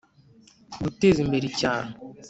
guteza imbere icyaro